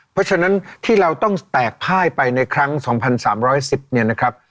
เพราะฉะนั้นที่เราต้องแตกพ่ายไปในครั้ง๒๓๑๐เนี่ยนะครับ